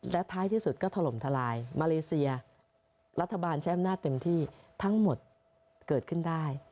และท้ายที่สุดก็ถล่มทลายมาเลเซียรัฐบาลใช้อำนาจเต็มที่ทั้งหมดเกิดขึ้นได้